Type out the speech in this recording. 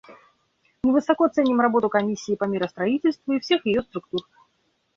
Мы высоко ценим работу Комиссии по миростроительству и всех ее структур.